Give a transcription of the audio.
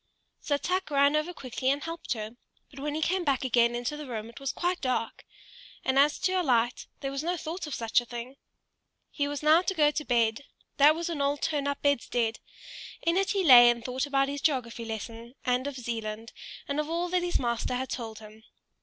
So Tuk ran over quickly and helped her; but when he came back again into the room it was quite dark, and as to a light, there was no thought of such a thing. He was now to go to bed; that was an old turn up bedstead; in it he lay and thought about his geography lesson, and of Zealand, and of all that his master had told him.